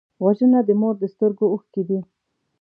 وژنه د مور د سترګو اوښکې دي